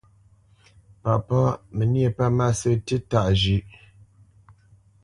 Papá: Mə níe pə̂ mâsə̂ tíí tâʼ zhʉ̌ʼ.